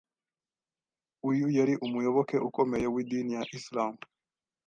uyu yari umuyoboke ukomeye w’idini ya islam